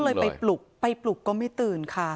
เลยไปปลุกไปปลุกก็ไม่ตื่นค่ะ